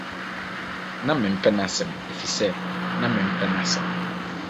Ná mempɛ n'asɛm, efisɛ na mempɛ n'asɛm.